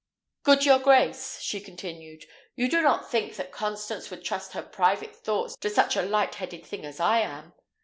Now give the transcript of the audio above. Good, your grace," she continued, "you do not think that Constance would trust her private thoughts to such a light headed thing as I am.